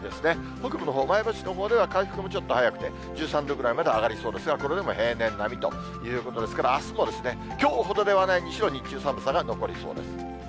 北部のほう、前橋のほうでは回復もちょっと早くて、１３度ぐらいまで上がりそうですが、これでも平年並みということですから、あすもきょうほどではないにしろ、日中、寒さが残りそうです。